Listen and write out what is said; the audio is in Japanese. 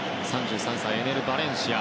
３３歳のエネル・バレンシア。